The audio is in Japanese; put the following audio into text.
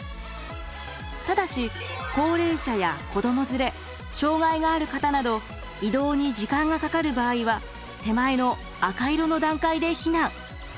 ただし高齢者や子ども連れ障害がある方など移動に時間がかかる場合は手前の赤色の段階で避難。